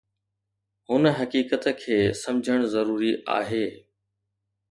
هن حقيقت کي سمجهڻ ضروري آهي